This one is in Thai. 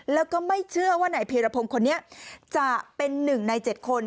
แล้วก็ไม่เชื่อว่านายพีรพงศ์คนนี้จะเป็น๑ใน๗คน